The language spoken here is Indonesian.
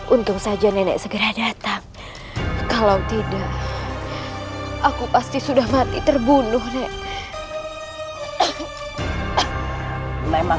untuk menjaga hal hal yang tidak diinginkan